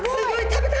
食べた！